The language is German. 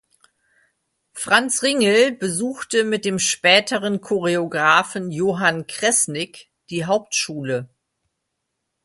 Franz Ringel besuchte mit dem späteren Choreographen Johann Kresnik die Hauptschule.